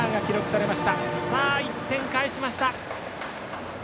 さあ、１点返しました。